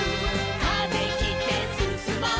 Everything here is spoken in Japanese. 「風切ってすすもう」